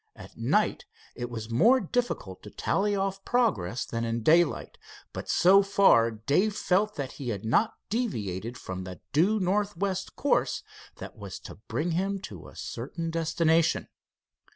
At night it was more difficult to tally off progress than in daylight, but so far Dave felt that he had not deviated from the due northwest course that was to bring him to a certain destination.